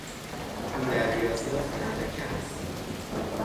او در ریاضیات معرکه است.